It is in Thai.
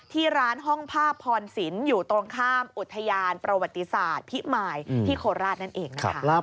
ที่ร้านห้องผ้าพรสินอยู่ตรงข้ามอุทยานประวัติศาสตร์พิมายที่โคราชนั่นเองนะคะ